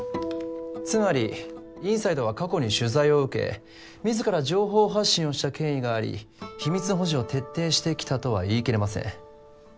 つまりｉｎｓｉｄｅは過去に取材を受け自ら情報発信をした経緯があり秘密保持を徹底してきたとは言い切れません